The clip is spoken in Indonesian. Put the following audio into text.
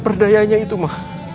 berdayanya itu ma